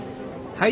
はい。